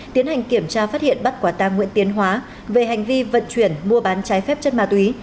tiến hành kiểm tra phát hiện bắt quả tang nguyễn tiến hóa về hành vi vận chuyển mua bán trái phép chất ma túy